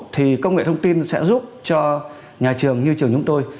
thì công nghệ thông tin sẽ giúp cho nhà trường như trường chúng tôi